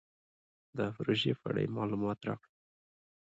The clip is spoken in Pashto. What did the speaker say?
د پروژې په اړه یې مالومات راکړل.